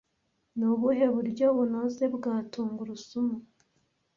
Ni ubuhe buryo bunoze bwa tungurusumu